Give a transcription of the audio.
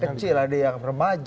ada yang kecil ada yang remaja